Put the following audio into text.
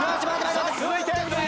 さあ続いて。